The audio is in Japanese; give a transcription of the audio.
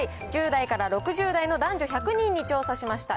１０代から６０代の男女１００人に調査しました。